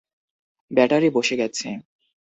Battery বসে গেছে।